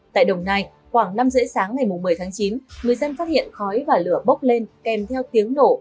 tại đồng nai khoảng năm h ba mươi sáng ngày một mươi tháng chín người dân phát hiện khói và lửa bốc lên kèm theo tiếng nổ